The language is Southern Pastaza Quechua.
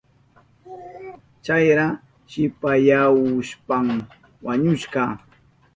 Chayra shipasyahushpan wañushka.